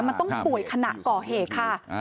มันต้องป่วยขณะก่อเหตุค่ะ